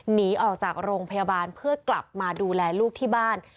หนีออกจากโรงพยาบาลเพื่อกลับมาดูแลลูกที่บ้าน